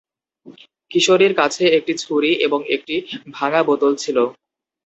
কিশোরীর কাছে একটি ছুরি এবং একটি ভাঙা বোতল ছিল।